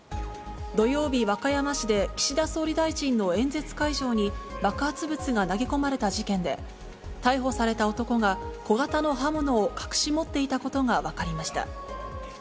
土曜日、和歌山市で岸田総理大臣の演説会場に、爆発物が投げ込まれた事件で、逮捕された男が、小型の刃物を隠し持っていたことが分かりました。